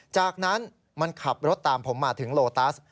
จากนั้นมันขับรถตามผมมาถึงโลตัส